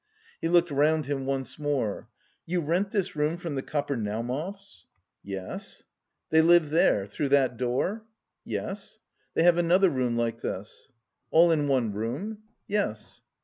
He looked round him once more. "You rent this room from the Kapernaumovs?" "Yes...." "They live there, through that door?" "Yes.... They have another room like this." "All in one room?" "Yes."